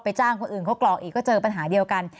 จ้างคนอื่นเขากรอกอีกก็เจอปัญหาเดียวกัน